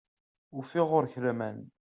Ufiɣ ɣur-k laman.